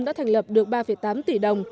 đã thành lập được ba tám tỷ đồng